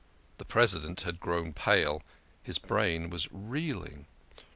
" The President had grown pale his brain was reeling.